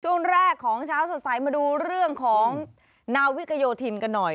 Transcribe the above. ช่วงแรกของเช้าสดใสมาดูเรื่องของนาวิกโยธินกันหน่อย